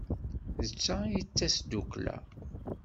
D ta ay d tasdukla.